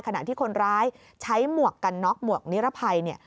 ขณะที่คนร้ายใช้หมวกกันน็อกหมวกนิรภัย